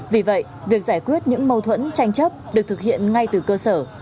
vì vậy việc giải quyết những mâu thuẫn tranh chấp được thực hiện ngay từ cơ sở